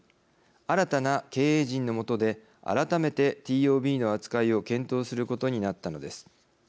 新たな経営陣の下で改めてＴＯＢの扱いを検討することになったのです。